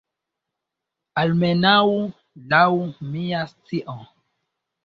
Almenaŭ laŭ mia scio.